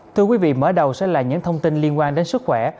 thưa quý vị mở đầu sẽ là những thông tin liên quan đến sức khỏe